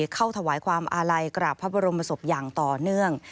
เข้าถวายความอาลัยกราบพระบรมศพอย่างต่อเนื่อง